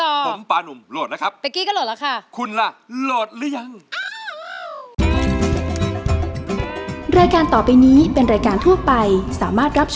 ผมปานุ่มโหลดนะครับ